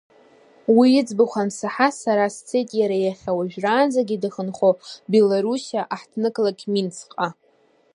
Уи иӡбахә ансаҳа, сара сцеит иара иахьа уажәраанӡагьы дахьынхо, Белоруссиа аҳҭнықалақь Минскҟа.